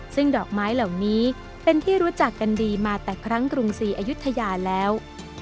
ซึ่งดอกไม้เหล่านี้เป็นที่รู้จักกันดีมาแต่ครั้งกรุงศรีอายุทยาแล้ว